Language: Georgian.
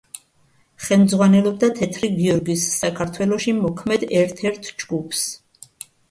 ხელმძღვანელობდა „თეთრი გიორგის“ საქართველოში მოქმედ ერთ-ერთ ჯგუფს.